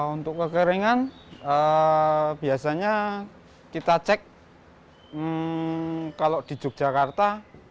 untuk kekeringan biasanya kita cek kalau di yogyakarta